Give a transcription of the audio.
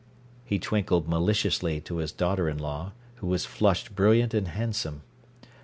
He twinkled maliciously to his daughter in law, who was flushed brilliant and handsome.